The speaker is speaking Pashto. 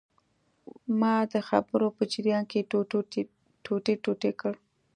ما د خبرو په جریان کې ټوټې ټوټې کړ.